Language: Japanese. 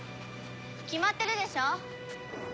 決まってるでしょ。